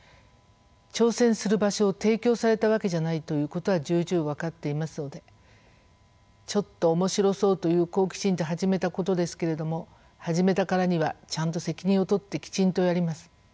挑戦する場所を提供されたわけじゃないということは重々分かっていますので「ちょっと面白そう」という好奇心で始めたことですけれども始めたからにはちゃんと責任を取ってきちんとやります。